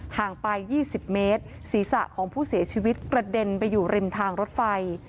ห่างไป๒๐เมตรศีรษะของผู้เสียชีวิตกระเด็นไปอยู่ริมทางรถไฟ